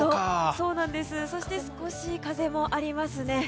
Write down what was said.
そして、少し風もありますね。